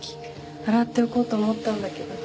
洗っておこうと思ったんだけど。